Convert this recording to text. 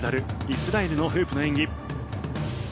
イスラエルのフープの演技。